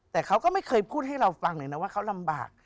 แต่เขาก็ไม่เคยพูดให้เราฟังเลยนะว่าเขาลำบาก